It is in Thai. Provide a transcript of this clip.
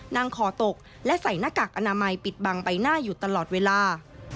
นั่งคอตกและใส่หน้ากากอนามัยปิดบังใบหน้าอยู่ตลอดเวลา